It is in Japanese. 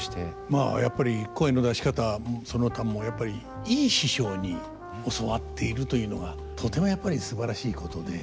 まあやっぱり声の出し方その他もやっぱりいい師匠に教わっているというのがとてもやっぱりすばらしいことで。